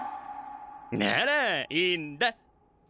ならいいんだっ。